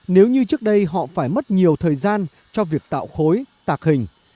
nếu như trước đây họ phải mất nhiều thời gian cho việc tạo khối tạc hình